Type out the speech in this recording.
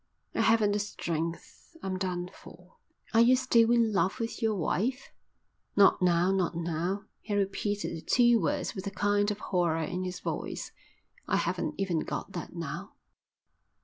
"I haven't the strength. I'm done for." "Are you still in love with your wife?" "Not now. Not now." He repeated the two words with a kind of horror in his voice. "I haven't even got that now.